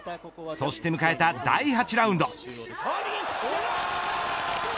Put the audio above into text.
そして迎えた第８ラウンド。